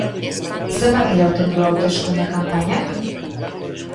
Zenbat irauten du hauteskunde-kanpainak?